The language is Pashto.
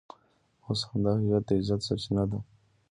اوس همدا هویت د عزت سرچینه ده.